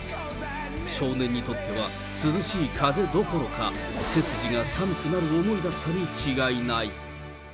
少年にとっては、涼しい風どころか、背筋が寒くなる思いだったに違いない。